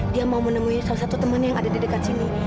dia mau menemui salah satu temannya yang ada di dekat sini